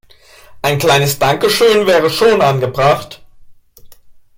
Ein kleines Dankeschön wäre schon angebracht.